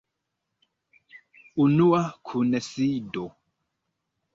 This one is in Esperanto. Unua Kunsido.